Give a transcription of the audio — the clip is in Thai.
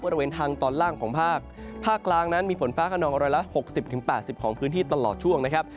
บริเวณทางตอนล่างของภาคภาคกลางนั้นมีฝนฟ้าขนองร้อยละหกสิบถึงแปดสิบของพื้นที่ตลอดช่วงนะครับ